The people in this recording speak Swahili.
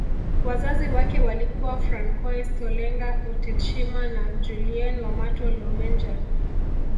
Wazazi wake walikuwa Francois Tolenga Otetshima na Julienne Wamato Lomendja